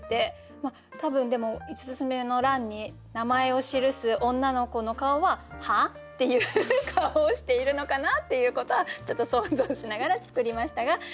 多分でも五つ目の欄に名前を記す女の子の顔は「はあ？」っていう顔をしているのかなっていうことはちょっと想像しながら作りましたが小島さんいかがですか？